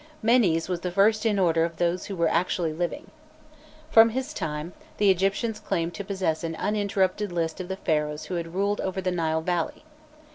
Menés was the first in order of those who were actually living. From his time, the Egyptians claimed to possess an uninterrupted list of the Pharaohs who had ruled over the Nile valley.